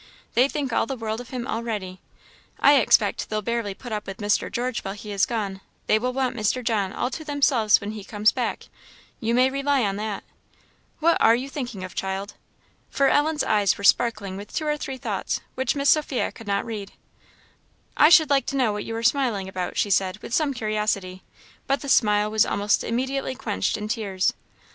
They think all the world of him already. I expect they'll barely put up with Mr. George while he is gone; they will want Mr. John all to themselves when he comes back, you may rely on that. What are you thinking of, child?" For Ellen's eyes were sparkling with two or three thoughts, which Miss Sophia could not read. "I should like to know what you are smiling at," she said, with some curiosity; but the smile was almost immediately quenched in tears.